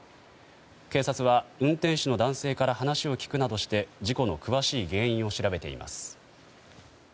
警察は運転手の男性から話を聞くなどして事故の詳しい原因を調べています。